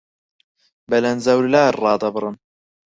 بەلەنجەولار ڕادەبرن